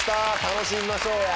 楽しみましょうや。